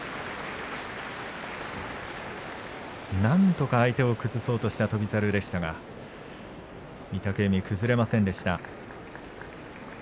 なんとか相手を崩そうとした翔猿でしたが御嶽海、崩れませんでした。